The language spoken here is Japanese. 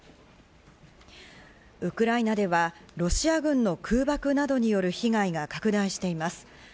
ウクライナではロシア軍の空爆などによる被害が拡大しています。